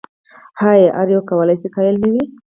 ایا هر یو کولای شي قایل نه وي؟